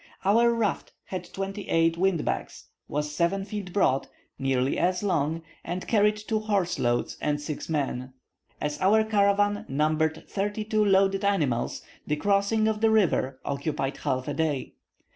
Our raft had twenty eight wind bags, was seven feet broad, nearly as long, and carried two horse loads and six men. As our caravan numbered thirty two loaded animals, the crossing of the river occupied half a day.